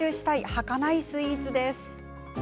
はかないスイーツです。